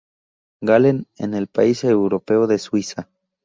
Gallen, en el país europeo de Suiza.